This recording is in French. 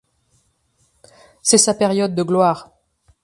C'est sa période de gloire.